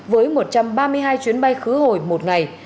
với một trăm ba mươi hai chuyến bay khứ hồi một ngày